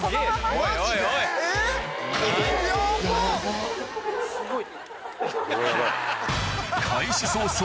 おすごい！